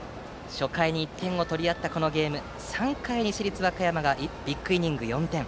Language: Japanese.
初回に１点を取り合ったこのゲームでしたが３回に市立和歌山がビッグイニング４点。